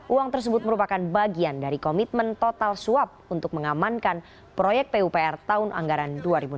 uang tersebut merupakan bagian dari komitmen total suap untuk mengamankan proyek pupr tahun anggaran dua ribu enam belas